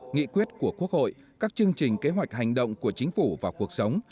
nghị quyết của quốc hội các chương trình kế hoạch hành động của chính phủ vào cuộc sống